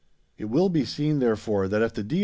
It will be seen therefore that if the D.